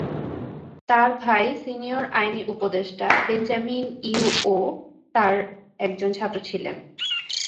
তার ভাই সিনিয়র আইনি উপদেষ্টা বেঞ্জামিন ইউ ও তার একজন ছাত্র ছিলেন।